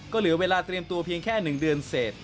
ก็เหลือเวลาเตรียมตัวเพียงแค่๑เดือนเสร็จ